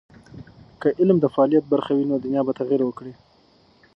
که علم د فعالیت برخه وي، نو دنیا به تغیر وکړي.